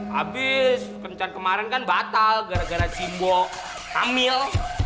habis kencan kemaren kan batal gara gara simbo hamil